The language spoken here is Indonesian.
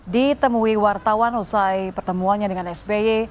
ditemui wartawan usai pertemuannya dengan sby